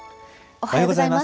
おはようございます。